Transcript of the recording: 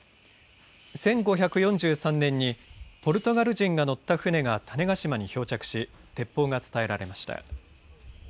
１５４３年にポルトガル人が乗った船が種子島に漂着し鉄砲が伝えられました。